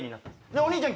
お兄ちゃん